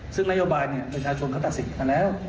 ซึ่งนายนโยบายเนี่ยประชาชนก็ตัดสินมาแล้ว